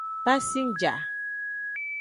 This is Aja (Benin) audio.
Pasingja.